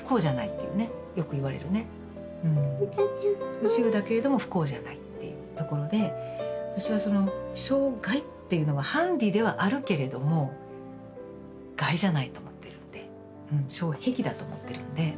不自由だけれども不幸じゃないっていうところで私はその障害っていうのはハンディではあるけれども害じゃないと思ってるんで障壁だと思ってるんで。